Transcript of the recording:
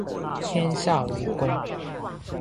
天下為公